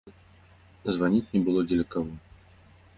Званіць не было дзеля каго.